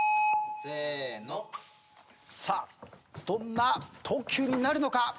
どんな投球になるのか。